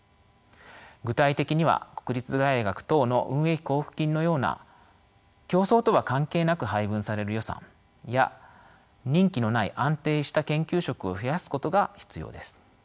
具体的には国立大学等の運営費交付金のような競争とは関係なく配分される予算や任期のない安定した研究職を増やすことが必要です。